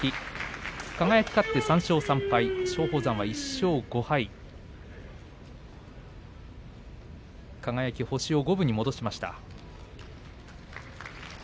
輝、勝って３勝３敗松鳳山は１勝５敗輝、星を五分に戻しました。